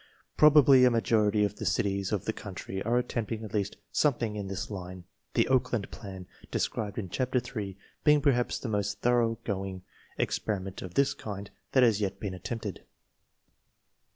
Probably a majority of the cities of the country are attempting at least some thing in this line — the Oakland plan, ( described in Chapter 3^/being perhaps the most thoroughgoing ex periment of the kind that has yet been attempted.